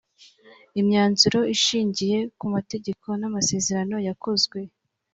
Imyanzuro ishingiye ku mategeko n’amasezerano yakozwe